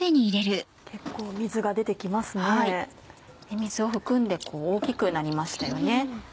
水を含んで大きくなりましたよね。